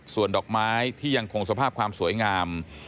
ส่วนดอกไม้ที่ยังคงสภาพความสวยงาม